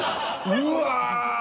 うわ！